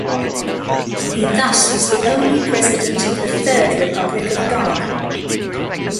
He thus was the only president of the third republic of Ghana.